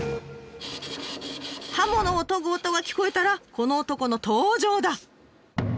刃物を研ぐ音が聞こえたらこの男の登場だ！